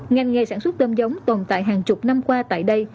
ngành nghề sản xuất tôm giống tồn tại hàng chục năm qua tại đây